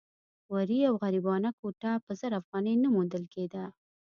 ورې او غریبانه کوټه په زر افغانۍ نه موندل کېده.